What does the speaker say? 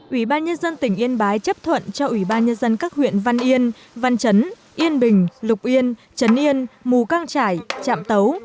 ủy ban nhân dân tỉnh yên bái chấp thuận cho ủy ban nhân dân các huyện văn yên văn chấn yên bình lục yên trấn yên mù căng trải trạm tấu